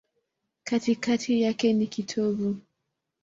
Katikati yake ni kitovu.